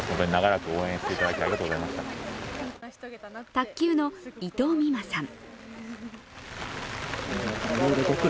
卓球の伊藤美誠さん。